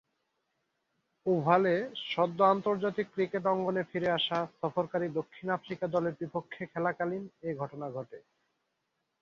ওভালে সদ্য আন্তর্জাতিক ক্রিকেট অঙ্গনে ফিরে আসা সফরকারী দক্ষিণ আফ্রিকা দলের বিপক্ষে খেলাকালীন এ ঘটনা ঘটে।